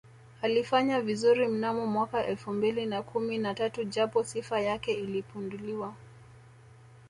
Alifanya vizuri mnamo mwaka elfu mbili na kumi na tatu japo Sifa yake ilipinduliwa